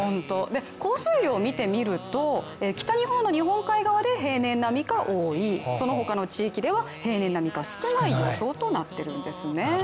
降水量を見てみると北日本の日本海側で平年並みか多い、そのほかの地域では平年並みか少ない予想となっているんですね。